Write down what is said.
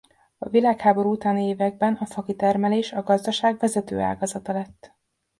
A világháború utáni években a fakitermelés a gazdaság vezető ágazata lett.